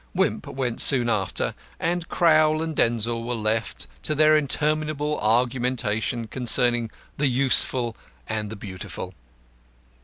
Wimp went soon after, and Crowl and Denzil were left to their interminable argumentation concerning the Useful and the Beautiful.